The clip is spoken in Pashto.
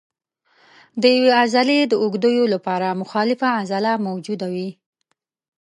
د یوې عضلې د اوږدېدو لپاره مخالفه عضله موجوده وي.